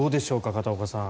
片岡さん。